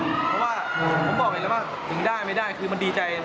เพราะว่าผมบอกไปแล้วว่าถึงได้ไม่ได้คือมันดีใจ